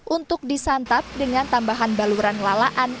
untuk disantap dengan tambahan baluran lalaan